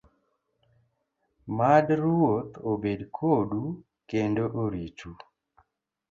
Mad Ruoth obed kodu kendo oritu.